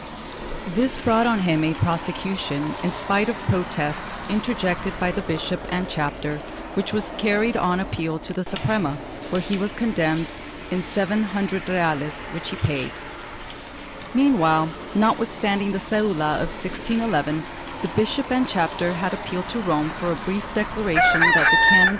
This brought on him a prosecution, in spite of protests interjected by the bishop and chapter, which was carried on appeal to the Suprema, where he was condemned in seven hundred reales which he paid. Mean while, notwithstanding the cedula of 1611, the bishop and chapter had applied to Rome for a brief declaring that the canons were 1 Archive de Simancas, Inquisition, Lib. 52, fol. 34.